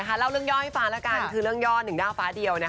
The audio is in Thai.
เล่าเรื่องย่อให้ฟ้าแล้วกันคือเรื่องย่อหนึ่งหน้าฟ้าเดียว